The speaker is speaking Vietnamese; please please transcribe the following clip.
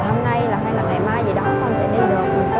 hôm nay là hay là ngày mai gì đó con sẽ đi được